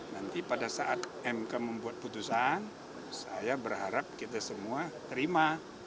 nanti pada saat mk membuat putusan saya berharap kita semua terima